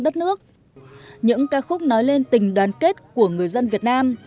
đất nước những ca khúc nói lên tình đoàn kết của người dân việt nam